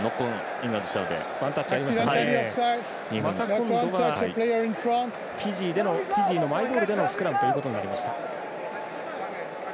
今度はフィジーのマイボールでのスクラムということになりました。